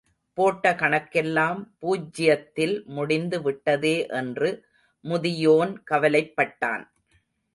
போட்ட கணக்கெல்லாம் பூஜ்ஜியத்தில் முடிந்து விட்டதே என்று முதியோன் கவலைப்பட்டான்.